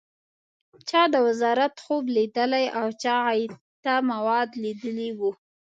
چا د وزارت خوب لیدلی او چا غایطه مواد لیدلي و.